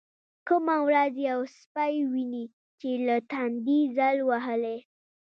کومه ورځ يو سپى ويني چې له تندې ځل وهلى.